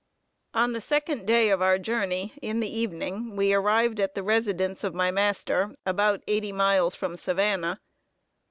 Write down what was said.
On the second day of our journey, in the evening, we arrived at the residence of my master, about eighty miles from Savannah.